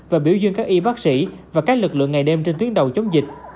và biểu dương các y bác sĩ và các lực lượng ngày đêm trên tuyến đầu chống dịch